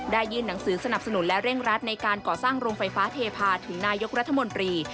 ยื่นหนังสือสนับสนุนและเร่งรัดในการก่อสร้างโรงไฟฟ้าเทพาถึงนายกรัฐมนตรี